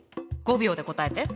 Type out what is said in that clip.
５秒で答えて。